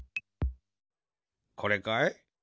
これかい？